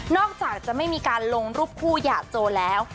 อกจากจะไม่มีการลงรูปคู่หย่าโจแล้ว